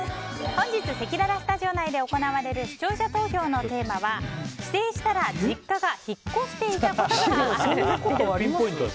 本日、せきららスタジオ内で行われる視聴者投票のテーマは帰省したら実家が引っ越していたことがある？です。